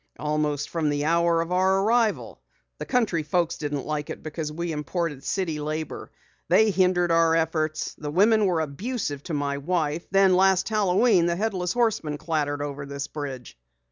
"Almost from the hour of our arrival. The country folks didn't like it because we imported city labor. They hindered our efforts. The women were abusive to my wife. Then last Halloween, the Headless Horseman clattered over this bridge."